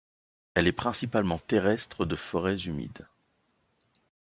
Elle est principalement terrestre de forêts humides.